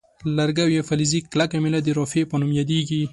لرګی او یا فلزي کلکه میله د رافعې په نوم یادیږي.